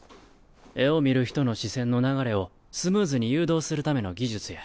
絵を見る人の視線の流れをスムーズに誘導するための技術や。